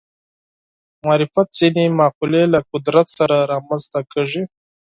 معرفت ځینې مقولې له قدرت سره رامنځته کېږي